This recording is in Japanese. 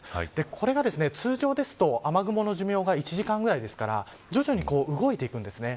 これが通常ですと雨雲の寿命が１時間ぐらいですから徐々に動いていくんですね。